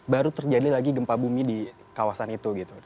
baru terjadi lagi gempa bumi di kawasan itu gitu